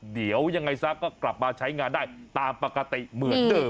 เดี๋ยวยังไงซะก็กลับมาใช้งานได้ตามปกติเหมือนเดิม